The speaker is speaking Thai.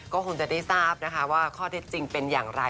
ก็คงจะได้ทราบนะคะว่าข้อเท็จจริงเป็นอย่างไร